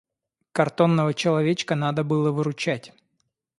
Картонного человечка надо было выручать.